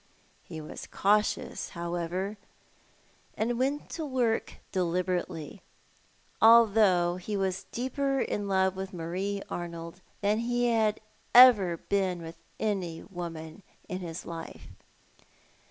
He was cautious, however, and went to work deliberately, although he was deeper in love with Marie Arnold than he had ever been with any woman in his life.